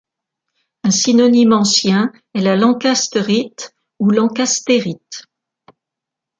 Un synonyme ancien est la lancasterite ou lancastérite.